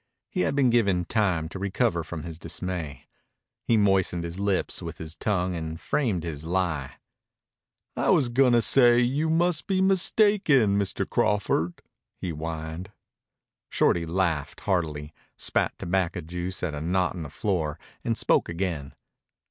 He had been given time to recover from his dismay. He moistened his lips with his tongue and framed his lie. "I was gonna say you must be mistaken, Mr. Crawford," he whined. Shorty laughed hardily, spat tobacco juice at a knot in the floor, and spoke again.